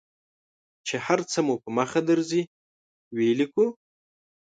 چې هر څه مو په مخه درځي ولیکو.